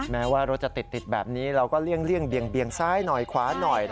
แม้ว่ารถจะติดแบบนี้เราก็เลี่ยงเบียงซ้ายหน่อยขวาหน่อย